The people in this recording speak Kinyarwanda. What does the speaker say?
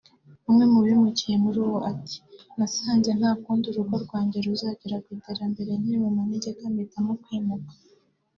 umwe mu bimukiye muri uwo ati « Nasanze nta kundi urugo rwnjye ruzagera kwiterambere nkiri mu manegeka mpitamo kwimuka